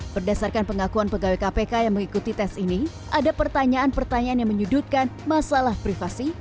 berdasarkan pengakuan pegawai kpk yang mengikuti tes ini ada pertanyaan pertanyaan yang menyudutkan masalah privasi